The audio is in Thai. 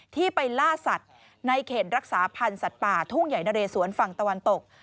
ที่ไปล่าสัตว์ในเขตรักษาพันธ์สัตว์ป่าทุ่งใหญ่นะเรสวนฝั่งตะวันตก